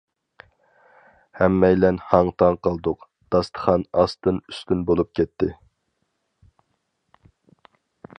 ھەممەيلەن ھاڭ-تاڭ قالدۇق، داستىخان ئاستىن-ئۈستۈن بولۇپ كەتتى.